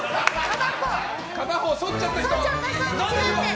片方そっちゃった人。